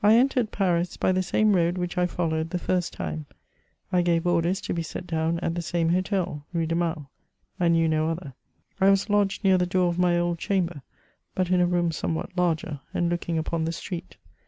I entered Paris by the same road which I followed the first time ; I gave orders to b« set down at the same hotels Rue de Mall: I knew no other. I was lodged near the * door of my old chamber, but in a room somewhat larger, and looking upon the street.